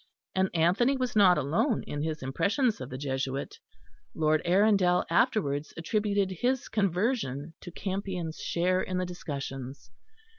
And Anthony was not alone in his impressions of the Jesuit. Lord Arundel afterwards attributed his conversion to Campion's share in the discussions.